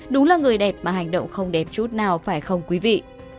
đúng là người đẹp mà hành động không đẹp chút nào phải không quý vị